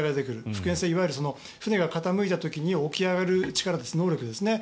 復原性、いわゆる船が傾いた時に起き上がる力、能力ですね。